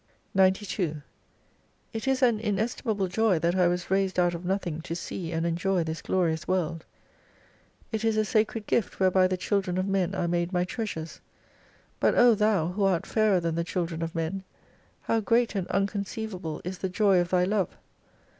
69 92 It is an iuestlmable joy that I was raised out of nothing to see and enjoy this glorious world : It is a Sacred Gift whereby the children of men are made my treasures, but O Thou who art fairer than the children of men, how great and unconceivable is the joy of Thy love